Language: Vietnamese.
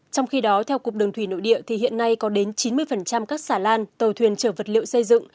trong khi đó theo cục đường thủy nội địa thì hiện nay có đến chín mươi các xà lan tàu thuyền chở vật liệu xây dựng